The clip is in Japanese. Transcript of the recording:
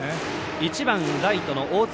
１番ライトの大塚。